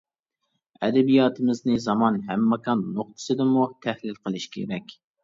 ئەدەبىياتىمىزنى زامان ھەم ماكان نۇقتىسىدىنمۇ تەھلىل قىلىش كېرەك.